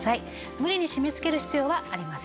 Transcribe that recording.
無理に締め付ける必要はありません。